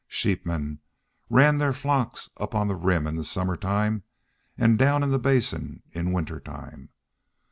Sheepmen ran their flocks up on the Rim in summer time and down into the Basin in winter time.